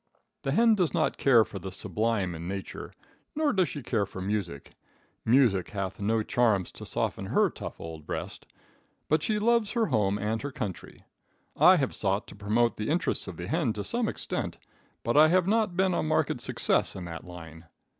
The hen does not care for the sublime in nature. Neither does she care for music. Music hath no charms to soften her tough old breast. But she loves her home and her country. I have sought to promote the interests of the hen to some extent, but I have not been a marked success in that line.